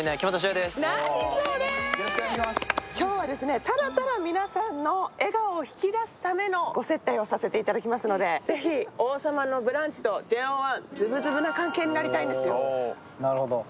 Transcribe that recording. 今日はただただ皆さんの笑顔を引き出すためのご接待をさせていただきますので、ぜひ、「王様のブランチ」とＪＯ１、ずぶずぶな関係になりたいんですよ。